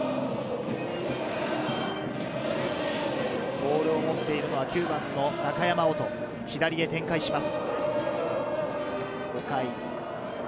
ボールを持っているのは９番の中山織斗、左へ展開します。